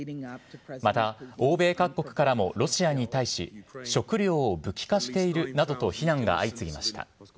また欧米各国からもロシアに対し、食糧を武器化しているなどと非難が相次ぎました。